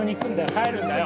帰るんだよ。